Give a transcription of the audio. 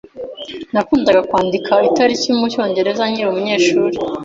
Nakundaga kwandika ikarita mucyongereza nkiri umunyeshuri.